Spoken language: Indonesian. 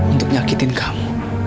untuk nyakitin kamu